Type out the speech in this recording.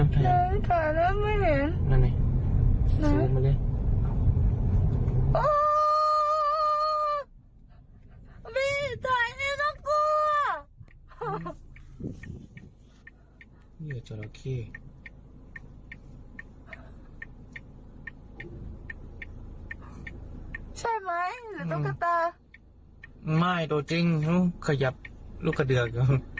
พี่ถ้ากี้ทุกคน